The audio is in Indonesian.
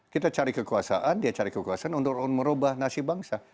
kita cari kekuasaan dia cari kekuasaan untuk merubah nasib bangsa